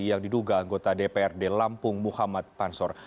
yang diduga anggota dprd lampung muhammad pansor